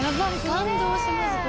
感動します